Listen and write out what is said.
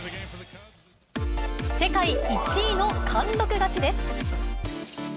世界１位の貫禄勝ちです。